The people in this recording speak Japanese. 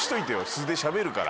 素でしゃべるから。